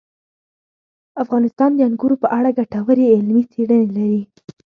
افغانستان د انګورو په اړه ګټورې علمي څېړنې لري.